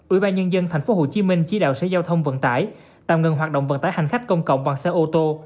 ủy ban nhân dân thành phố hồ chí minh chỉ đạo xe giao thông vận tải tạm ngừng hoạt động vận tải hành khách công cộng bằng xe ô tô